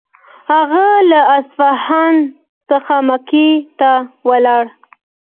هغه له اصفهان څخه مکې ته ولاړ.